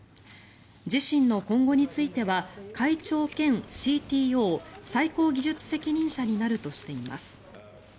自身の今後については会長兼ＣＴＯ・最高技術責任者になるとしています。